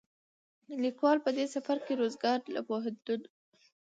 ليکوال په دې سفر کې روزګان له پوهنتون،